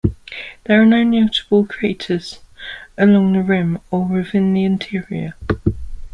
There are no notable craters along the rim or within the interior.